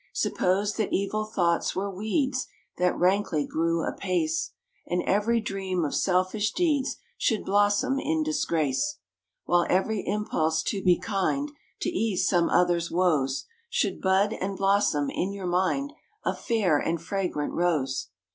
Suppose that evil thoughts were weeds That rankly grew apace, And every dream of selfish deeds Should blossom in disgrace; While every impulse to be kind 3 To ease some other s woes, Should bud and blossom in your mind A fair and fragrant rose.